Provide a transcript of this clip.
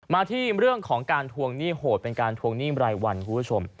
มาที่เรื่องของการทวงหนี้โหดเป็นการทวงหนี้รายวันคุณผู้ชม